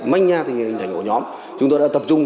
manh nha hình thành của nhóm chúng tôi đã tập trung